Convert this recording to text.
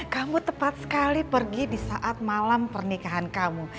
kamu tepat sekali pergi di saat malam pernikahan kamu